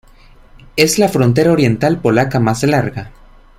Es la frontera oriental polaca más larga.